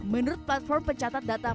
menurut platform pencatat data